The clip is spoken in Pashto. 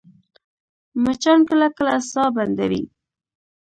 مچان کله کله ساه بندوي